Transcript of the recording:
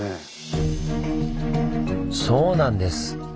そうなんです！